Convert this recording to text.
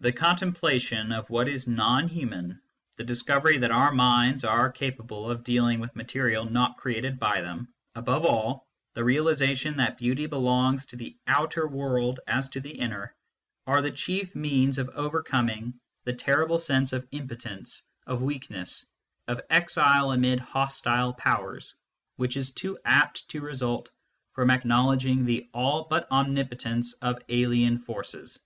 The contemplation of what is non human, the discovery that our minds are capable of dealing with material not created by them, above all, the realisation that beauty belongs to the outer world as to the inner, are the chief means of overcoming THE STUDY OF MATHEMATICS 69 the terrible sense of impotence, of weakness, of exile amid hostile powers, which is too apt to result from acknow ledging the ail but omnipotence of alien forces.